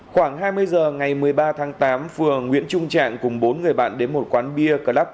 khoảng hai mươi h ngày một mươi ba tháng tám phường nguyễn trung trạng cùng bốn người bạn đến một quán bia club